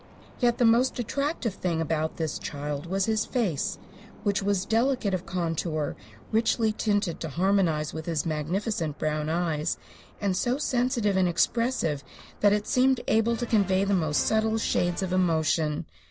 Yet the most attractive thing about this child was his face, which was delicate of contour, richly tinted to harmonize with his magnificent brown eyes, and so sensitive and expressive that it seemed able to convey the most subtle shades of emotion.